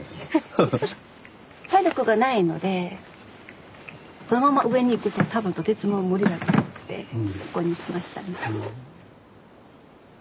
体力がないのでそのまま上に行くと多分とても無理だと思ってここにしましたね。